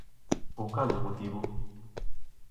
Ou cal é o motivo?